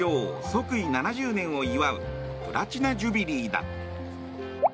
即位７０年を祝うプラチナ・ジュビリーだ。